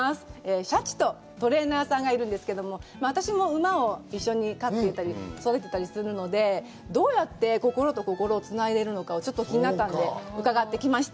シャチとトレーナーさんがいるんですけど、私も馬を一緒に飼っていたり育てていたりするので、どうやって心と心をつないでいるかが気になったので、ちょっと気になったので伺ってきました。